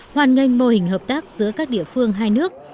hoàn nghênh mô hình hợp tác giữa các địa phương hai nước